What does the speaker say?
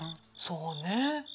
そうね。